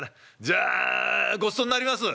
じゃあごちそうなります」。